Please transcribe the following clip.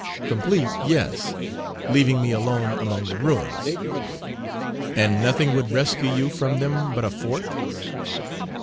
"Complete, yes; leaving me alone among the ruins." "And nothing would rescue you from them but a fourth?"